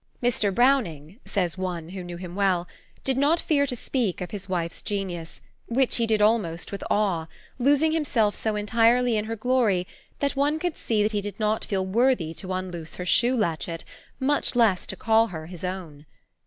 "Mr. Browning," says one who knew him well, "did not fear to speak of his wife's genius, which he did almost with awe, losing himself so entirely in her glory that one could see that he did not feel worthy to unloose her shoe latchet, much less to call her his own."